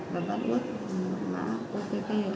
và bắt út mã opp